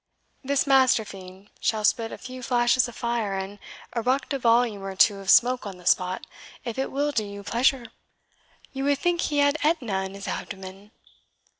This master fiend shall spit a few flashes of fire, and eruct a volume or two of smoke on the spot, if it will do you pleasure you would think he had AEtna in his abdomen."